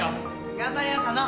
頑張れよ佐野！